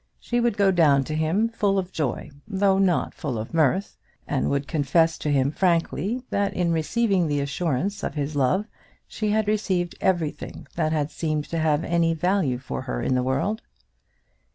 She would go down to him full of joy, though not full of mirth, and would confess to him frankly, that in receiving the assurance of his love, she had received everything that had seemed to have any value for her in the world.